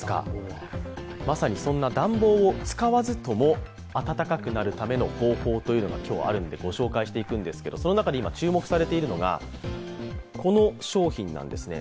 まさにそんな暖房を使わずとも暖かくなるための方法が今日はあるのでご紹介していくんですけれども、その中で今注目されているのがこの商品なんですね。